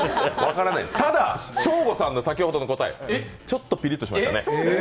ただ、ショーゴさんの先ほどの答えちょっとピリッとしましたね。